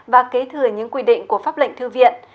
và kế thừa những quy định của pháp lệnh thư viện